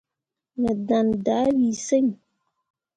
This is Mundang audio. Me ɗaŋne dah wii sen.